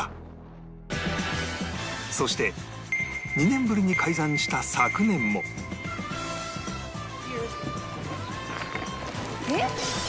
そして２年ぶりに開山した昨年もえっ？